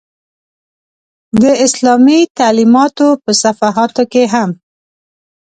د اسلامي تعلمیاتو په صفحاتو کې هم.